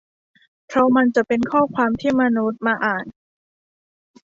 เพราะมันจะเป็นข้อความที่มนุษย์มาอ่าน